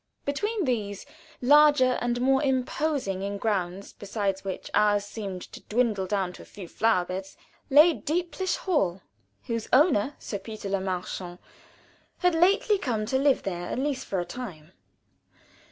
Between these, larger and more imposing, in grounds beside which ours seemed to dwindle down to a few flower beds, lay Deeplish Hall, whose owner, Sir Peter Le Marchant, had lately come to live there, at least for a time.